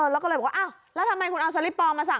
แล้วก็เลยบอกว่าอ้าวแล้วทำไมคุณเอาสลิปปลอมมาสั่ง